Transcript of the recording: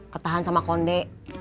ketahan sama konde